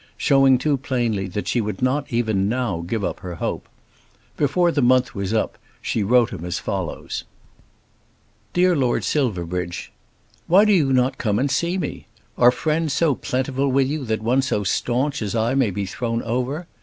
showing too plainly that she would not even now give up her hope. Before the month was up she wrote to him as follows: DEAR LORD SILVERBRIDGE, Why do you not come and see me? Are friends so plentiful with you that one so staunch as I may be thrown over?